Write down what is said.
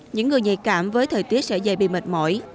những người nhạy cảm với thời tiết sẽ dày bị mệt mỏi